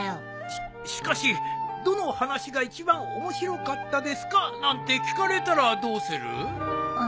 ししかし「どの話が一番面白かったですか？」なんて聞かれたらどうする？